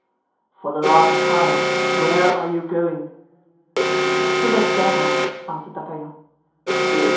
"For the last time, where are you going?" "To the devil!" answered D'Artagnan. "Good!